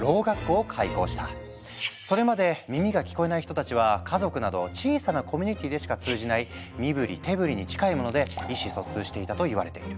それまで耳が聞こえない人たちは家族など小さなコミュニティでしか通じない身振り手振りに近いもので意思疎通していたといわれている。